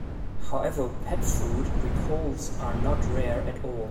However pet food recalls are not rare at all.